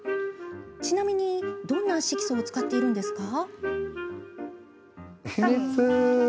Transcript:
ちなみにどんな色素を使ってるんですか？